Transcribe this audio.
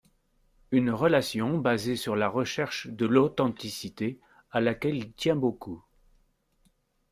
Une relation basée sur la recherche de l’authenticité à laquelle il tient beaucoup.